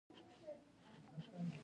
ډېرې زارۍ یې وکړې.